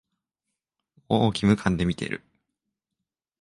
もう義務感で見てる